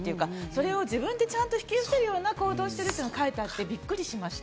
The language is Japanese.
それをちゃんと引き受けるような行動をしてあって、それが書いてあってびっくりしました。